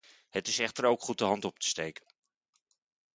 Het is echter ook goed de hand op te steken.